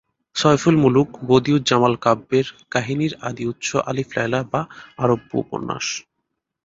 সয়ফুলমুলুক-বদিউজ্জামাল কাব্যের কাহিনীর আদি উৎস আলিফ লায়লা বা আরব্য উপন্যাস।